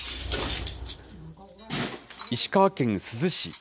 石川県珠洲市。